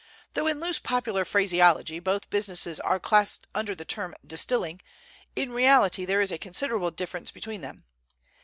Though in loose popular phraseology both businesses are classed under the term 'distilling,' in reality there is a considerable difference between them.